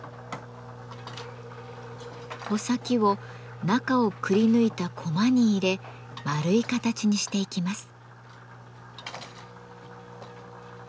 穂先を中をくりぬいたコマに入れ丸い形にしていきます。